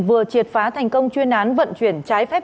vừa triệt phá thành công chuyên án vận chuyển trái phép